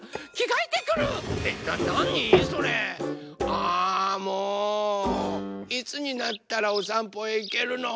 あもういつになったらおさんぽへいけるの？